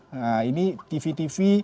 nah ini tv tv